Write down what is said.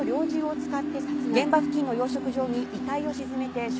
現場付近の養殖場に遺体を沈めて証拠隠滅を